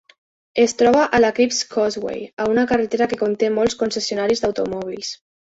Es troba a la Cribbs Causeway, a una carretera que conté molts concessionaris d'automòbils.